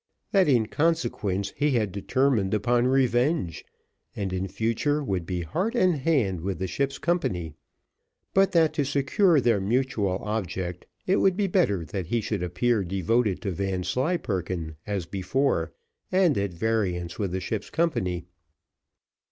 That in consequence he had determined upon revenge, and in future would be heart and hand with the ship's company, but that to secure their mutual object, it would be better that he should appear devoted to Vanslyperken as before, and at variance with the ship's company.